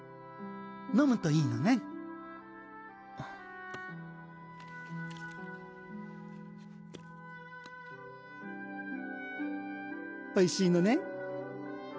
飲むといいのねんあっおいしいのねん？